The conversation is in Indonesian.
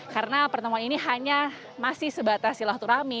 karena pertemuan ini hanya masih sebatas silaturahmi